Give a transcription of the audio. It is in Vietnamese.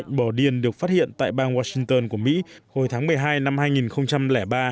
thỏa thuận của điền được phát hiện tại bang washington của mỹ hồi tháng một mươi hai năm hai nghìn ba